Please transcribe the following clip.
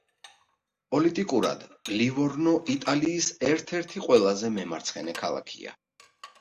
პოლიტიკურად, ლივორნო იტალიის ერთ-ერთი ყველაზე მემარცხენე ქალაქია.